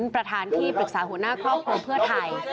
ประธานที่ปรึกษาหัวหน้าครอบครัวเพื่อไทย